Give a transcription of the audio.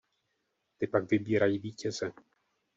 Ty pak vybírají vítěze.